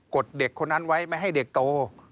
ดเด็กคนนั้นไว้ไม่ให้เด็กโต